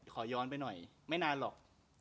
ขอย้อนไปหน่อยไม่นานหรอก